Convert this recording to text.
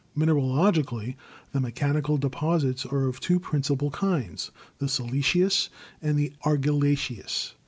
Mineralogically, the mechanical deposits are of two principal kinds, the silice ous and the argillaceous.